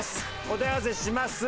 答え合わせします。